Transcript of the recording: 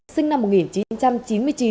sinh năm một nghìn chín trăm chín mươi chín